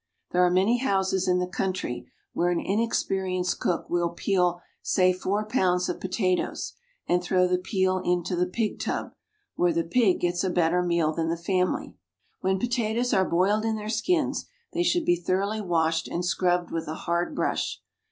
There are many houses in the country where an inexperienced cook will peel, say four pounds of potatoes, and throw the peel into the pig tub, where the pig gets a better meal than the family. When potatoes are boiled in their skins, they should be thoroughly washed and scrubbed with a hard brush.